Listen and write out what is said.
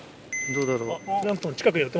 どうだろう？